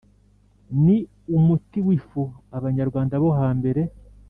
Ni umuti w ifu Abanyarwanda bo hambere